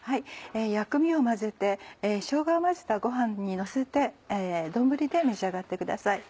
薬味を混ぜてしょうがを混ぜたご飯にのせて丼で召し上がってください。